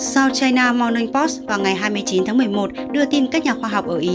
so china mornong post vào ngày hai mươi chín tháng một mươi một đưa tin các nhà khoa học ở ý